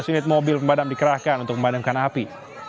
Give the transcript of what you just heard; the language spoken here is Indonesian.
dua belas unit mobil pemadam dikerahkan untuk memadamkan api